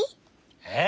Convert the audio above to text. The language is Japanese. えっ？